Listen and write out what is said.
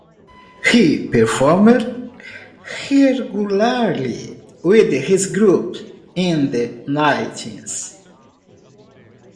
He performed regularly with his group in the nineties.